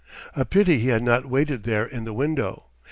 A pity he had not waited there in the window!